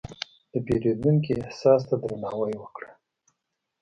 د پیرودونکي احساس ته درناوی وکړه.